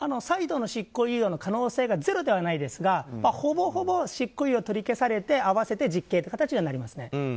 再度の執行猶予の可能性がゼロではないですがほぼほぼ執行猶予が取り消されて合わせて実刑という形にはなります。